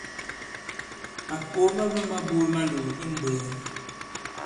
Màkòo ma ɓama buge malòò i mmbwēē.